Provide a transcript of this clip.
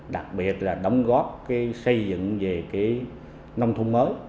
đặc biệt là đóng góp xây dựng về nông thôn mới